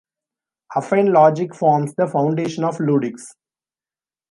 Affine logic forms the foundation of ludics.